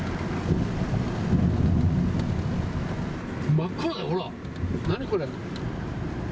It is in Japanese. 真っ黒だよ、ほら、何これ。